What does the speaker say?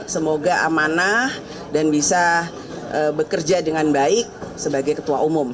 semoga amanah dan bisa bekerja dengan baik sebagai ketua umum